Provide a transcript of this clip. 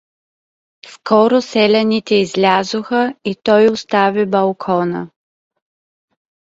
Скоро селяните излязоха и той остави балкона.